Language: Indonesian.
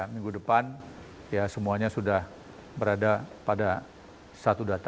minggu depan ya semuanya sudah berada pada satu data